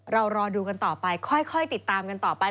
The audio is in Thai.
รอดูกันต่อไปค่อยติดตามกันต่อไป